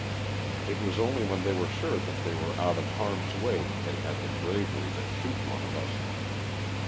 It was only when they were sure that they were out of harm's way that they had the bravery to shoot one of us.